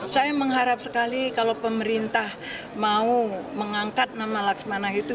saya mengharap sekali kalau pemerintah mau mengangkat nama laksmana itu